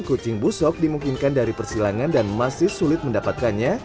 kucing busok dimungkinkan dari persilangan dan masih sulit mendapatkannya